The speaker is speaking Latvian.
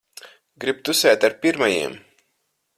Grib tusēt ar pirmajiem.